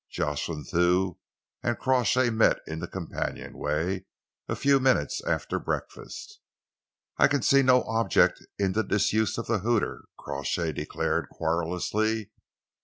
Jocelyn Thew and Crawshay met in the companionway, a few minutes after breakfast. "I can see no object in the disuse of the hooter," Crawshay declared querulously.